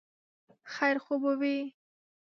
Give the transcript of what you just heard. خیر خو به وي ؟